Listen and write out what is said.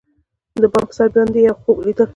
د بام پر سر باندی یوخوب لیدل